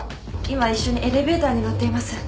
今一緒にエレベーターに乗っています。